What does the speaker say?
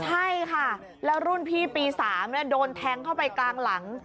ใช่ค่ะแล้วรุ่นพี่ปี๓โดนแทงเข้าไปกลางหลัง